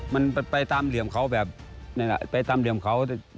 มันไปตามเหลี่ยมเขาแบบนั่นแหละไปตามเหลี่ยมเขา